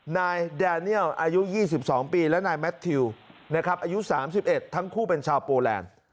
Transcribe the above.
นายแดเนียลอายุ๒๒ปีและนายแมททิวนะครับอายุ๓๑ทั้งคู่เป็นชาวโปแลนด์